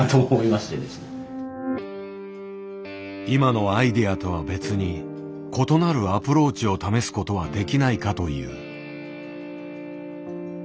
今のアイデアとは別に異なるアプローチを試すことはできないかという。